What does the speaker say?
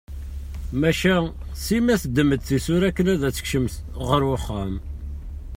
Maca Sima teddem-d tisura akken ad tekcem ɣer uxxam.